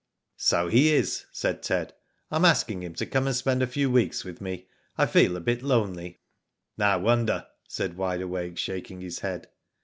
" So he is," said Ted. „ I'm asking him to come and spend a few weeks with me, I feel a bit lonely." " No wonder," said Wide Awake, shaking his head.